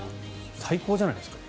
最高じゃないですか。